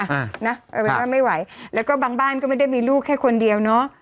เอาเป็นว่าไม่ไหวแล้วก็บางบ้านก็ไม่ได้มีลูกแค่คนเดียวเนอะ